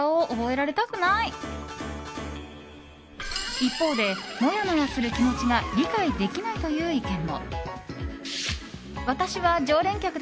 一方で、モヤモヤする気持ちが理解できないという意見も。